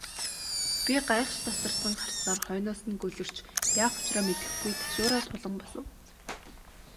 Би гайхаш тасарсан харцаар хойноос нь гөлөрч, яах учраа мэдэхгүй ташуураа тулан босов.